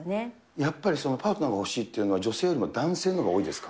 やっぱりパートナーが欲しいっていうのは女性よりも男性のほうが多いですか。